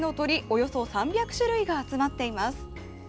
およそ３００種類が集まっています。